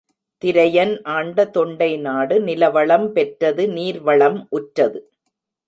திரையன் ஆண்ட தொண்டை நாடு நிலவளம் பெற்றது நீர் வளம் உற்றது.